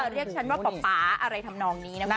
เรียกฉันว่าป๊าอะไรทำนองนี้นะคุณผู้ชม